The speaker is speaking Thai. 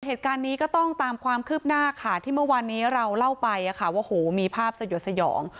เหตุการณ์นี้ก็ต้องตามความคืบหน้าค่ะที่เมื่อวานนี้เราเล่าไปว่าโหมีภาพสยดสยอง